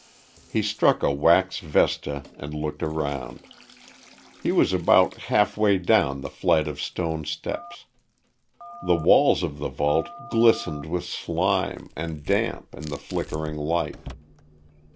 He struck a wax vesta and looked around. He was about halfway down the flight of stone steps. The walls of the vault glistened with slime and damp in the flickering light.